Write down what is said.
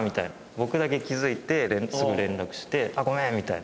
僕だけ気づいてすぐ連絡して「あっ！ごめん」みたいな。